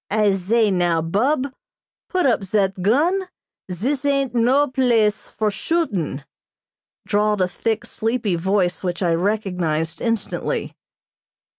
"I zay, now, Bub, put up zat gun. Zis ain't no place for shootin'," drawled a thick, sleepy voice which I recognized instantly.